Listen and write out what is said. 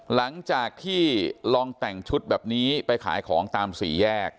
หลังจากที่ลองแต่งชุดแบบนี้ไปขายของตามสี่แยก